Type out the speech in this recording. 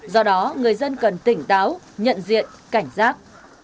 do đó người dân cần tỉnh táo nhận diện cảnh giác